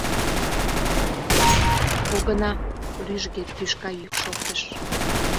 — Огына! — рӱжге тӱшка йӱк шоктыш.